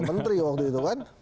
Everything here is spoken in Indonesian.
menteri waktu itu kan